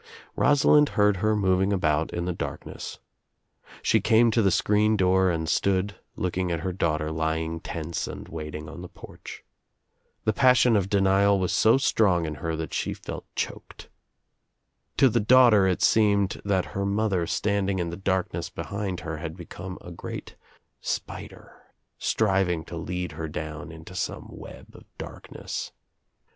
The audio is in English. Rosalind heard her moving about in the darkness. She came to the screen door and stood looking at her daughter lying tense and waiting on the porch. The passion of denial was so strong in her that she felt OUT OF NOWHERE INTO NOTHING idl choked. To the daughter it seemed that her mother standing in the darkness behind her had become a great spider, striving to lead her down into some web of darkness.